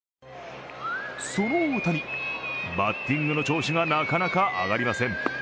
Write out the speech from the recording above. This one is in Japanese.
その大谷、バッティングの調子がなかなか上がりません。